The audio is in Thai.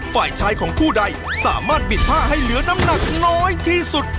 ฝ่ายชายของคู่ใดสามารถบิดผ้าให้เหลือน้ำหนักน้อยที่สุด